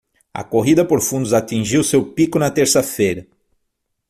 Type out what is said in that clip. A corrida por fundos atingiu seu pico na terça-feira.